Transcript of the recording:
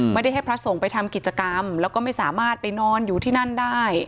ไม่ได้ให้พระสงฆ์ไปทำกิจกรรมแล้วก็ไม่สามารถไปนอนอยู่ที่นั่นได้